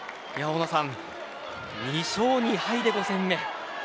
大野さん２勝２敗で５戦目です。